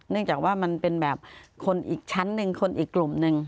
จากว่ามันเป็นแบบคนอีกชั้นหนึ่งคนอีกกลุ่มหนึ่ง